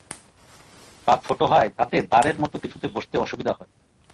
পা ছোট হওয়ায় তাতে দাঁড়ের মতো কিছুতে বসতে অসুবিধা হয়।